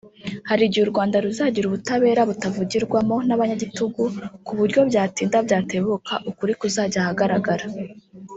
hari igihe u Rwanda ruzagira ubutabera butavugirwamo n’abanyagitugu ku buryo byatinda byatebuka ukuri kuzajya ahagaragara